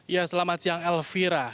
ya selamat siang elvira